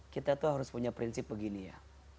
kita tuh harus punya prinsip begini ya